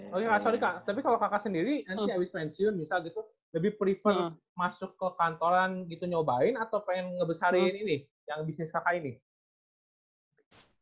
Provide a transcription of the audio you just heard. tapi nanti gue mau pensiun lebih prefer masuk ke kantoran gitu nyobain atau pengen ngebesarin ini yang bisnis kakak ini